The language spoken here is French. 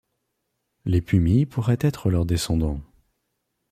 Les Pumi pourraient être leurs descendants.